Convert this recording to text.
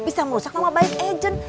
bisa merusak nama baik agent